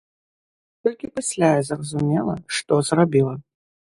Толькі пасля я зразумела, што зрабіла.